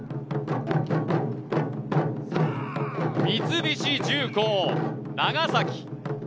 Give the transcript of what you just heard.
三菱重工・長崎。